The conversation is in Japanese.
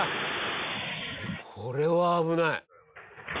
これは危ない。